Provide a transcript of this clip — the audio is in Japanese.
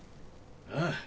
ああ。